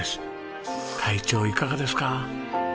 会長いかがですか？